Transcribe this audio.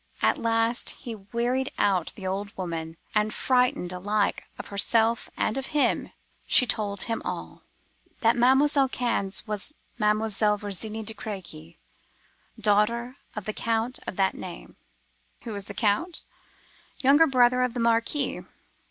At last he wearied out the old woman, and, frightened alike of herself and of him, she told him all,—that Mam'selle Cannes was Mademoiselle Virginie de Crequy, daughter of the Count of that name. Who was the Count? Younger brother of the Marquis.